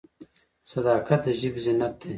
صداقت د ژبې زینت دی.